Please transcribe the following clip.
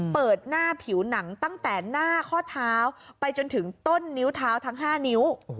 เปิดหน้าผิวหนังตั้งแต่หน้าข้อเท้าไปจนถึงต้นนิ้วเท้าทั้ง๕นิ้ว